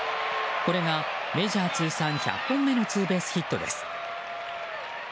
これがメジャー通算１００本目のツーベースヒットです。